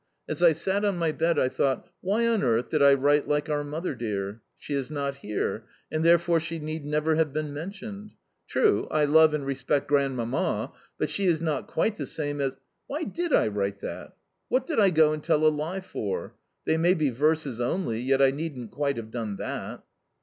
As I sat on my bed I thought: "Why on earth did I write 'like our Mother dear'? She is not here, and therefore she need never have been mentioned. True, I love and respect Grandmamma, but she is not quite the same as Why DID I write that? What did I go and tell a lie for? They may be verses only, yet I needn't quite have done that."